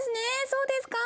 「そうですか？」